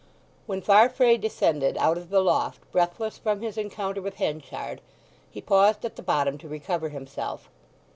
When Farfrae descended out of the loft breathless from his encounter with Henchard, he paused at the bottom to recover himself.